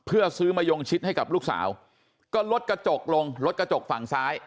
เพื่อซื้อมะยงชิดให้กับลูกสาวก็ลดกระจกลงรถกระจกฝั่งซ้าย